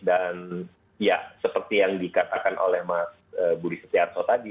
dan ya seperti yang dikatakan oleh mas budi setiarto tadi